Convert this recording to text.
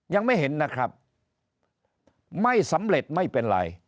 ยังไม่เห็นนะครับไม่สำเร็จไม่เป็นไร